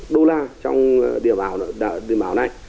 một đô la trong điểm ảo này